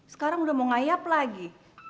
sekarang udah mau ngayap lagi